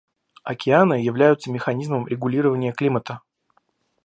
Океаны являются механизмом регулирования климата.